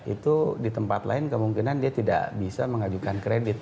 itu di tempat lain kemungkinan dia tidak bisa mengajukan kredit